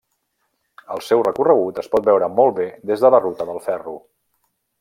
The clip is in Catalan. El seu recorregut es pot veure molt bé des de la ruta del ferro.